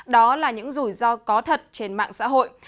đó là những rủi ro có thật trên mạng xã hội